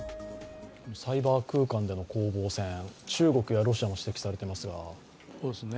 サイバー空間での攻防戦中国やロシアも指摘されていますが。